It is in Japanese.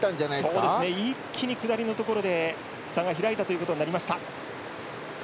一気に下りのところで差が開いたことになりました。